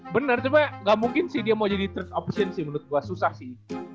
benar cuma gak mungkin sih dia mau jadi third option sih menurut gue susah sih